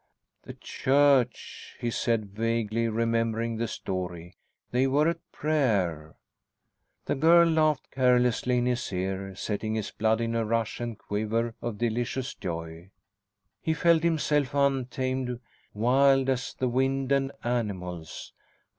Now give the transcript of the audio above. "The Church," he said, vaguely remembering the story. "They were at prayer " The girl laughed carelessly in his ear, setting his blood in a rush and quiver of delicious joy. He felt himself untamed, wild as the wind and animals.